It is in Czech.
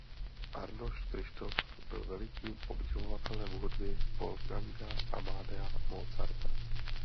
Arnošt Kryštof byl velikým obdivovatelem hudby Wolfganga Amadea Mozarta.